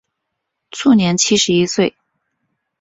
卒年七十一岁。